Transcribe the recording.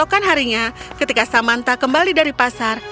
makan harinya ketika samantha kembali dari pasar